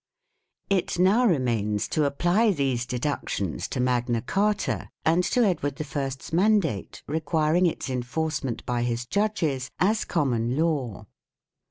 It now remains to apply these deductions to Magna Carta and to Edward I's mandate requiring its en forcement by his judges, as common law.